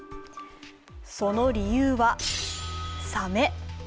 その理由は、サメ。